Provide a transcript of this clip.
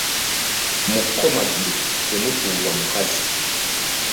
Mu kkomagiro temutuulwa mukazi.